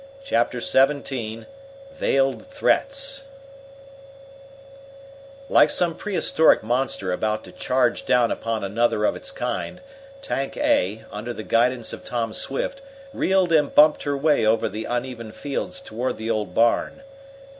Chapter XVII Veiled Threats Like some prehistoric monster about to charge down upon another of its kind, Tank A, under the guidance of Tom Swift, reeled and bumped her way over the uneven fields toward the old barn.